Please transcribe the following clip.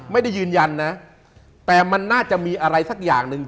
ยืนยันนะแต่มันน่าจะมีอะไรสักอย่างหนึ่ง